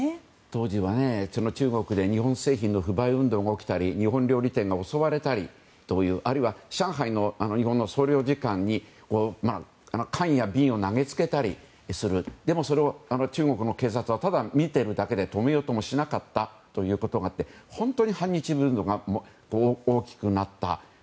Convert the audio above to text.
当時は中国で日本製品の不買運動が起きたり日本料理店が襲われたりあるいは上海の日本の総領事館に缶や瓶を投げつけたりするでも、それを中国の警察はただ見てるだけで止めようともしなかったということがあって本当に反日ムードが大きくなった。